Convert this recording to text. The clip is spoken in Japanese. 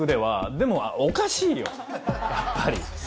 でもおかしいよやっぱり。